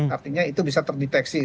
artinya itu bisa terdeteksi